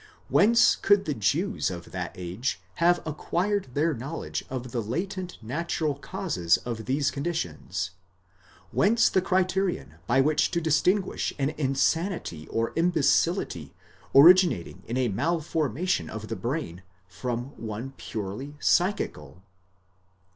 Whence could the Jews of that age have acquired their knowledge of the latent natural causes of these con ditions—whence the criterion by which to distinguish an insanity or imbecility originating in a malformation of the brain, from one purely psychical?